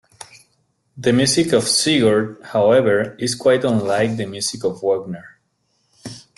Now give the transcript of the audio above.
The music of "Sigurd", however, is quite unlike the music of Wagner.